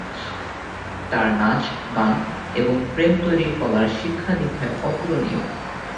তার নাচ, গান এবং প্রেম-তৈরীর কলার শিক্ষাদীক্ষায় অতুলনীয়।